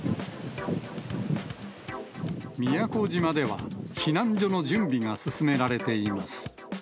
宮古島では、避難所の準備が進められています。